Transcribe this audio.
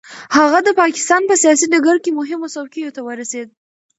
هغه د پاکستان په سیاسي ډګر کې مهمو څوکیو ته ورسېد.